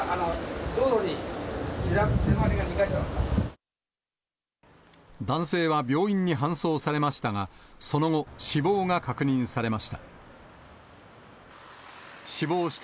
道路に血だまり男性は病院に搬送されましたが、その後、死亡が確認されました。